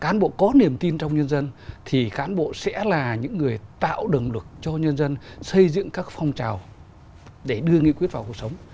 cán bộ có niềm tin trong nhân dân thì cán bộ sẽ là những người tạo động lực cho nhân dân xây dựng các phong trào để đưa nghị quyết vào cuộc sống